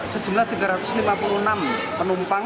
sejumlah tiga ratus lima puluh enam penumpang